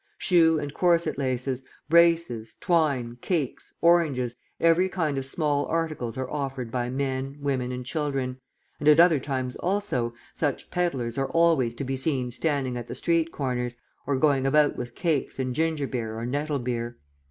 Shoe and corset laces, braces, twine, cakes, oranges, every kind of small articles are offered by men, women, and children; and at other times also, such peddlers are always to be seen standing at the street corners, or going about with cakes and ginger beer or nettle beer.